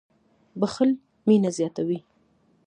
• بښل مینه زیاتوي.